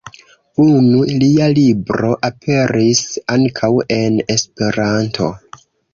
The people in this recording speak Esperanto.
Unu lia libro aperis ankaŭ en esperanto.